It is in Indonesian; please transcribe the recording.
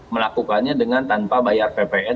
melakukannya dengan tanpa bayar ppn